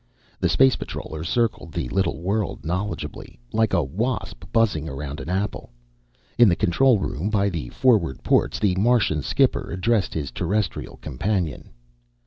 The space patroller circled the little world knowledgeably, like a wasp buzzing around an apple. In the control room, by the forward ports, the Martian skipper addressed his Terrestrial companion.